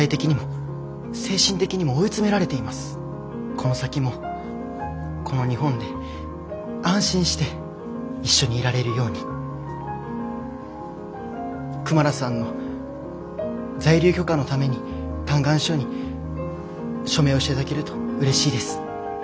この先もこの日本で安心して一緒にいられるようにクマラさんの在留許可のために嘆願書に署名をしていただけるとうれしいです。